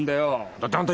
だってあんた